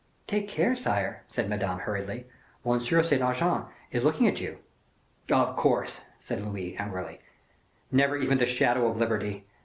"Take care, sire," said Madame, hurriedly, "Monsieur de Saint Aignan is looking at you." "Of course," said Louis, angrily; "never even the shadow of liberty!